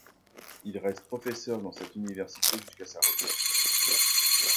Il reste professeur dans cette université jusqu'à sa retraite.